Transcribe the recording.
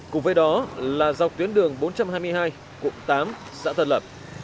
cùng với đó là dọc tuyến đường bốn trăm hai mươi hai cụm tám xã tân lập